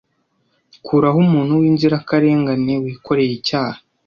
Kuraho umuntu w'inzirakarengane wikoreye icyaha;